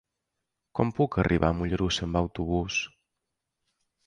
Com puc arribar a Mollerussa amb autobús?